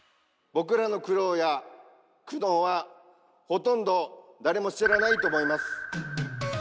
「僕らの苦労や苦悩はほとんど誰も知らないと思います」